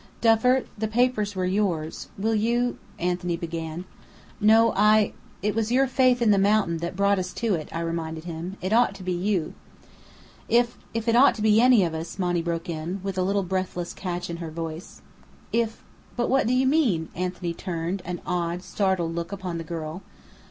"Duffer, the papers were yours. Will you " Anthony began. "No I It was your faith in the mountain that brought us to it," I reminded him. "It ought to be you " "If if it ought to be any one of us," Monny broke in, with a little breathless catch in her voice. "If But what do you mean?" Anthony turned an odd, startled look upon the girl.